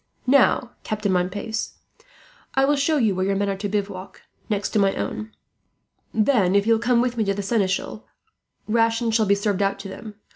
"Now, Captain Montpace, I will show you where your men are to bivouac, next to my own. Then, if you will come with me to the seneschal, rations shall be served out to them.